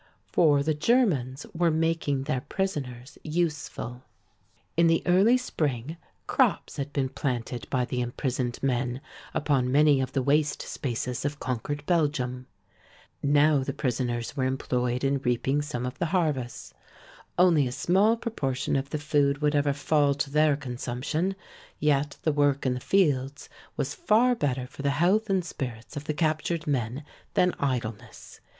For the Germans were making their prisoners useful. In the early spring crops had been planted by the imprisoned men upon many of the waste spaces of conquered Belgium. Now the prisoners were employed in reaping some of the harvests. Only a small proportion of the food would ever fall to their consumption, yet the work in the fields was far better for the health and spirits of the captured men than idleness.